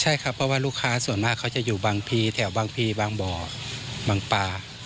ใช่ครับเพราะว่าลูกค้าส่วนมากเขาจะอยู่บางพีแถวบางพีบางบ่อบางปลา